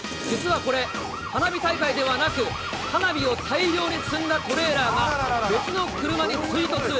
実はこれ、花火大会ではなく、花火を大量に積んだトレーラーが、別の車に追突。